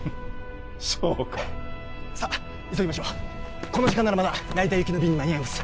そうかさっ急ぎましょうこの時間ならまだ成田行きの便に間に合います